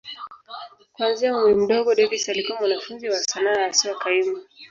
Kuanzia umri mdogo, Davis alikuwa mwanafunzi wa sanaa, haswa kaimu.